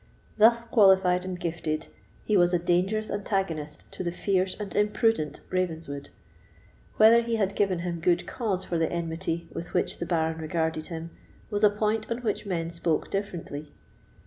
Thus qualified and gifted, he was a dangerous antagonist to the fierce and imprudent Ravenswood. Whether he had given him good cause for the enmity with which the Baron regarded him, was a point on which men spoke differently.